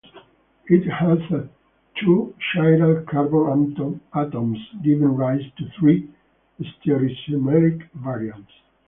It has a two chiral carbon atoms giving rise to three stereoisomeric variants.